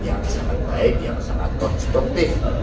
yang sangat baik yang sangat konstruktif